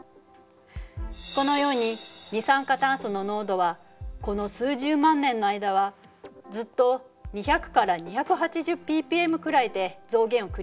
このように二酸化炭素の濃度はこの数十万年の間はずっと２００２８０ｐｐｍくらいで増減を繰り返してきたの。